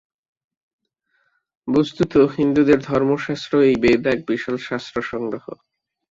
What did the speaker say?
বস্তুত হিন্দুদের ধর্মশাস্ত্র এই বেদ এক বিশাল শাস্ত্র-সংগ্রহ।